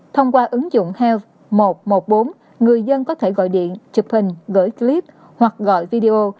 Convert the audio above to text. thông qua ứng dụng health một trăm một mươi bốn người dân có thể gọi điện chụp hình gửi clip hoặc gọi video